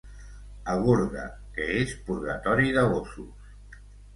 A Gorga, que és purgatori de gossos.